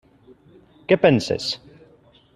Què penses?